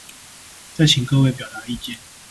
再請各位表達意見